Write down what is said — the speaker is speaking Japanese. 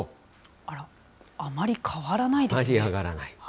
あら、あまり変わらないですね。